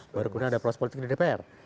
baru kemudian ada proses politik di dpr